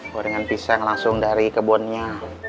gorengan pisang langsung dari kebunnya